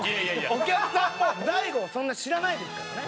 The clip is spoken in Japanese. お客さんも大悟をそんな知らないですからね。